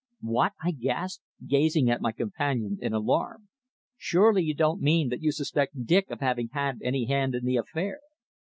"What!" I gasped, gazing at my companion in alarm. "Surely you don't mean that you suspect Dick of having had any hand in the affair?"